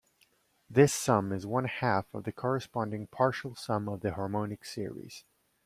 This sum is one half of the corresponding partial sum of the harmonic series.